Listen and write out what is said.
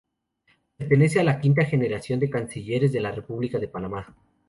Pertenece a la quinta generación de Cancilleres de la República de Panamá.